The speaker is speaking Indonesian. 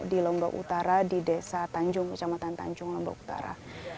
di lombok utara di desa tanjung kecamatan tanjung lombok utara